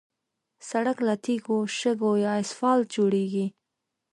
سړک له تیږو، شګو یا اسفالت جوړېږي.